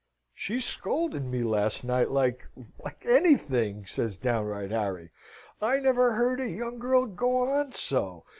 "She scolded me last night like like anything," says downright Harry. "I never heard a young girl go on so.